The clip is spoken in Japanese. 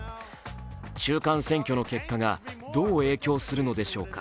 中間選挙の結果がどう影響するのでしょうか。